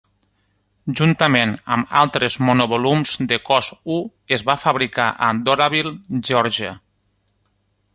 Juntament amb altres monovolums de cos U, es va fabricar a Doraville, Geòrgia.